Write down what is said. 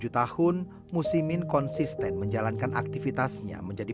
tahun musyimin konsisten menjalankan aktivitasnya menjadi